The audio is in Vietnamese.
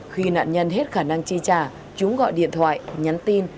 khi nạn nhân hết khả năng chi trả chúng gọi điện thoại nhắn tin